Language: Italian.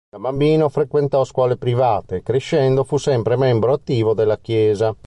Da bambino frequentò scuole private, e crescendo fu sempre membro attivo della Chiesa.